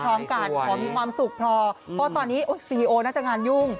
พอมีความสุขพอเพราะตอนนี้โอ๊ยซีโอน่าจะงานยุ่ง